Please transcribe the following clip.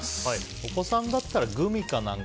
お子さんだったらグミかなんか。